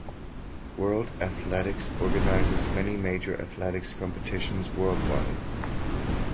World Athletics organizes many major athletics competitions worldwide.